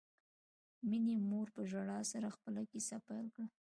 مينې مور په ژړا سره خپله کیسه پیل کړه